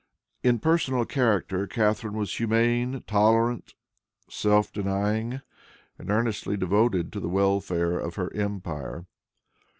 In personal character Catharine was humane, tolerant, self denying, and earnestly devoted to the welfare of her empire.